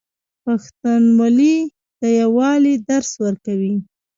پښتونولي د یووالي درس ورکوي.